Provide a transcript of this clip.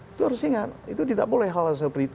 itu harus ingat itu tidak boleh hal hal seperti itu